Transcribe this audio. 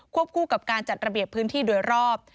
คู่กับการจัดระเบียบพื้นที่โดยรอบ